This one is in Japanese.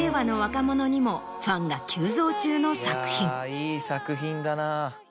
いい作品だな。